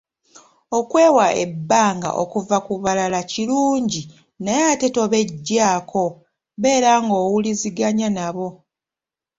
Okwewa ebbanga okuva ku balala kirungi naye ate tobeggyaako, beera ng’owuliziganya nabo.